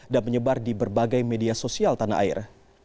dan menyebar di berbagai media sosial tanah air